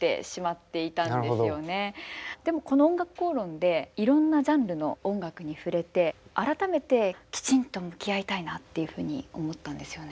でもこの「おんがくこうろん」でいろんなジャンルの音楽に触れて改めてきちんと向き合いたいなっていうふうに思ったんですよね。